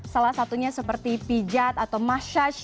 salah satunya seperti pijat atau massage